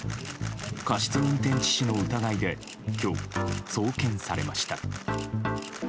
過失運転致死の疑いで今日、送検されました。